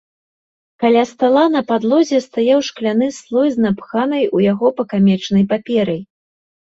Каля стала на падлозе стаяў шкляны слой з напханай у яго пакамечанай паперай.